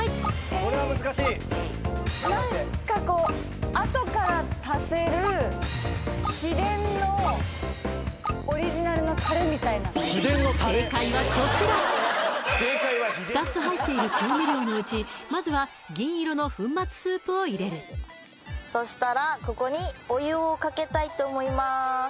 これは難しい何かこうオリジナルのタレみたいな正解はこちら２つ入っている調味料のうちまずは銀色の粉末スープを入れるそしたらここにお湯をかけたいと思います